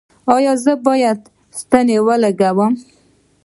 ایا زه باید ستنې ولګوم؟